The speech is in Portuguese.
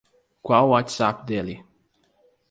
Qual o WhatsApp dele?